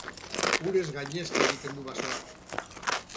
Urez gainezka egiten du basoak.